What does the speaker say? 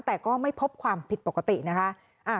แต่ก็ไม่พบความผิดปกตินะคะ